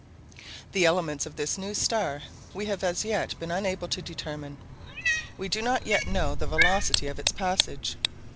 The elements of this new star we have as yet been unable to determine; we do not yet know the velocity of its passage.